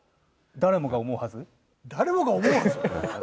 誰もが思うはず？